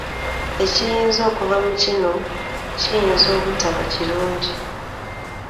Ekiyinza okuva mu kino kiyinza obutaba kirungi.